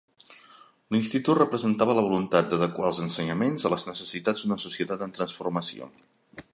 L'Institut representava la voluntat d'adequar els ensenyaments a les necessitats d'una societat en transformació.